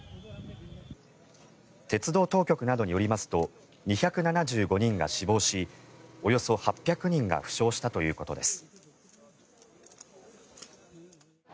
鉄道当局などによりますと２７５人が死亡しおよそ８００人が負傷したということです。